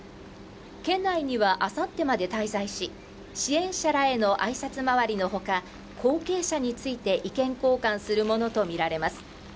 県内には、あさってまで滞在し、支援者らへの挨拶回りの他、後継者について意見交換するものとみられます。